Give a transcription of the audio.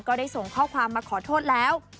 ก็ได้ส่งข้อความมาขอโทษแล้ว